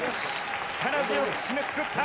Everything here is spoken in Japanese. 力強く締めくくった！